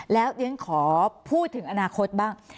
อย่างนั้นขอพูดถึงอนาคตบ้าง